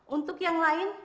untuk yang lain